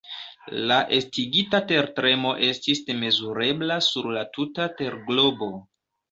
La estigita tertremo estis mezurebla sur la tuta terglobo.